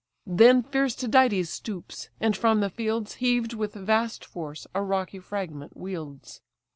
Then fierce Tydides stoops; and from the fields Heaved with vast force, a rocky fragment wields.